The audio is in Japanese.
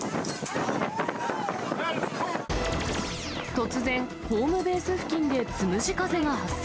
突然、ホームベース付近でつむじ風が発生。